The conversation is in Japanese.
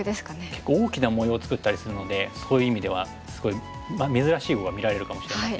結構大きな模様を作ったりするのでそういう意味ではすごい珍しい碁が見られるかもしれませんし。